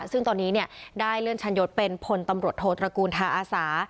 ซึ่งตอนนี้ได้เลื่อนชั้นยศเป็นพลตำรวจโทษตระกูลทาอาสา